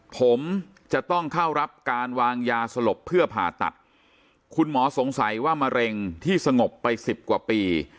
ผมจะต้องเข้ารับการวางยาสลบเพื่อผ่าตัดคุณหมอสงสัยว่ามะเร็งที่สงบไปสิบกว่าปี